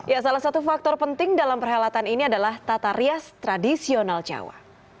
ya salah satu faktor penting dalam perhelatan ini adalah tata rias tradisional jawa